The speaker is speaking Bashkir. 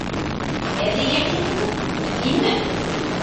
- Әбейгә тинеңме? һинме?